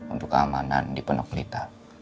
untuk keamanan di pendok pelita